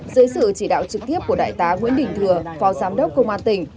dưới sự chỉ đạo trực tiếp của đại tá nguyễn đình thừa phó giám đốc công an tỉnh